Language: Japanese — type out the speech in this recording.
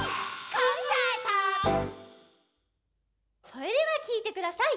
それではきいてください。